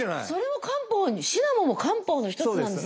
シナモンも漢方の一つなんですね。